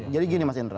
jadi gini mas indra